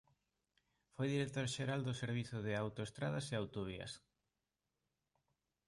Foi director xeral do servizo de Autoestradas e Autovías.